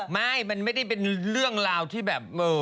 ไม่มันไม่ได้เป็นเรื่องราวที่แบบ